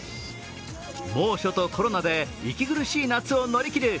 猛暑とコロナで息苦しい夏を乗り切る